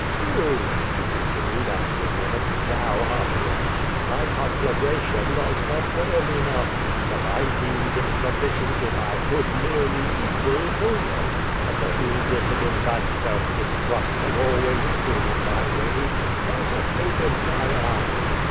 "True," he continued after a moment, *'thou art right. My conflagration does not burn enougli. I^ut I deemed it sufli cient if I could nu»rely equal Homer. A certain dillidcnce and self distrust liave always stood in my way. Thou hast opened niy eyes.